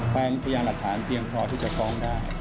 เป็นอันทรัพย์ทางพรที่จะพร้อมได้